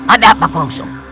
ada apa kerungsuk